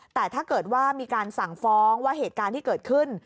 แต่ถ้าเกิดว่ามีการสั่งฟ้องว่าเหตุการณ์ที่เกิดขึ้น